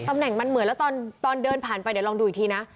ตำแหน่งมันเหมือนแล้วตอนเดินผ่านไปเดี๋ยวลองดูอีกทีนะ